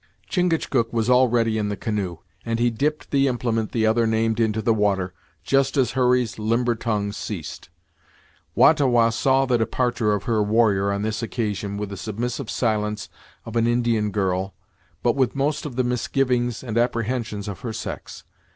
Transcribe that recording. Chingachgook was already in the canoe, and he dipped the implement the other named into the water, just as Hurry's limber tongue ceased. Wah ta Wah saw the departure of her warrior on this occasion with the submissive silence of an Indian girl, but with most of the misgivings and apprehensions of her sex.